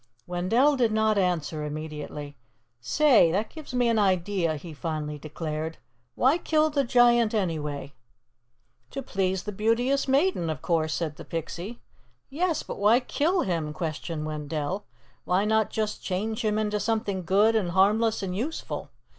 Wendell did not answer immediately. "Say, that gives me an idea," he finally declared. "Why kill the Giant, anyway?" "To please the Beauteous Maiden, of course," said the Pixie. "Yes, but why kill him?" questioned Wendell. "Why not just change him into something good and harmless and useful.